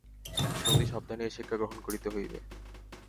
কিন্তু অতি সাবধানে এই শিক্ষা গ্রহণ করিতে হইবে।